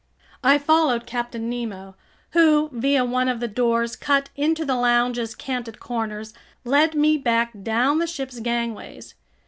I followed Captain Nemo, who, via one of the doors cut into the lounge's canted corners, led me back down the ship's gangways.